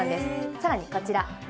さらにこちら。